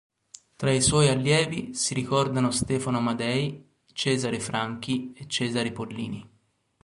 Tra i suoi allievi si ricordano Stefano Amadei, Cesare Franchi e Cesare Pollini.